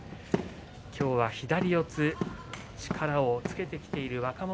今日は左四つ、左力をつけてきている若元